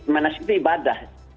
manasik itu ibadah